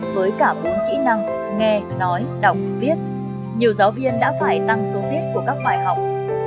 với cả bốn kỹ năng nghe nói đọc viết nhiều giáo viên đã phải tăng số tiết của các bài học